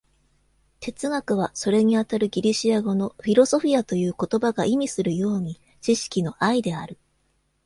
哲学は、それにあたるギリシア語の「フィロソフィア」という言葉が意味するように、知識の愛である。